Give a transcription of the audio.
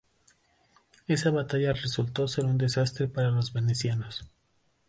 Esa batalla resultó ser un desastre para los venecianos.